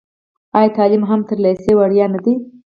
آیا تعلیم هم تر لیسې وړیا نه دی؟